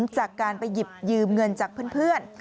จากการไปหยิบยืมเงินจากเพื่อน